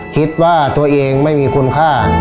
คิดว่าตัวเองไม่มีคุณค่า